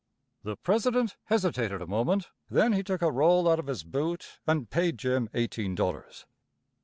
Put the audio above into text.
The president hesitated a moment. Then he took a roll out of his boot and paid Jim eighteen dollars.